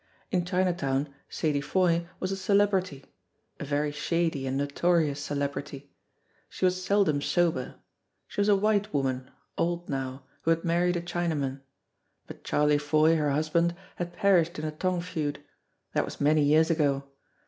In Chinatown Sadie Foy was a celebrity a very shady and notorious celebrity. She was seldom sober. She was a white woman, old now, who had married a China man. But Charley Foy, her husband, had perished in a Tong feud. That was many years ago.